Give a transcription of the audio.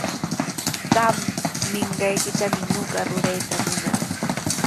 Qam ninqaykitami ñuqa rurayta munaa.